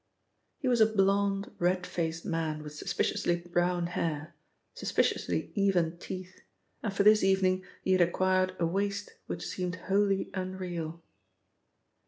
He was a blonde, red faced man with suspiciously brown hair, suspiciously even teeth, and for this evening he had acquired a waist which seemed wholly unreal.